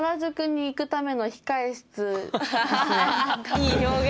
いい表現。